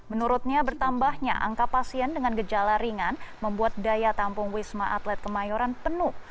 menurutnya bertambahnya angka pasien dengan gejala ringan membuat daya tampung wisma atlet kemayoran penuh